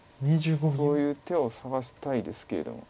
そういう手を探したいですけれども。